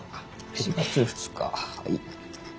４月２日はい。